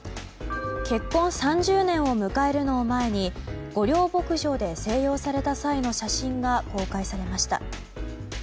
結婚３０年を迎えるのを前に御料牧場で静養された際の写真が公開されました。